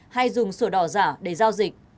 hay dùng sổ đỏ giả để giao dịch